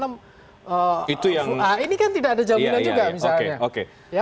nah ini kan tidak ada jaminan juga misalnya